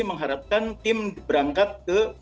mengharapkan tim berangkat ke